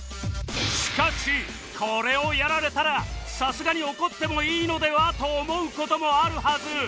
しかしこれをやられたらさすがに怒ってもいいのでは？と思う事もあるはず！